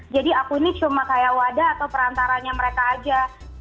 jadi aku ini cuma kayak wadah atau perantaranya mereka aja